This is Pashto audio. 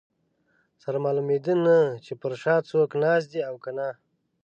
سره معلومېده نه چې پر شا څوک ناست دي او که نه.